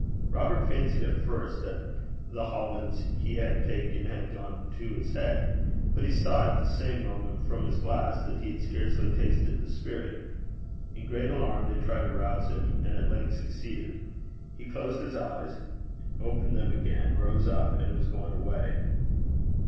Robert fancied at first that the hollands he had taken had gone to his head, but he saw at the same moment, from his glass, that he had scarcely tasted the spirit. In great alarm they tried to rouse him, and at length succeeded. He closed his eyes, opened them again, rose up, and was going away.